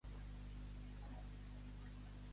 Per què no li va donar un cop de mà a Alcmena?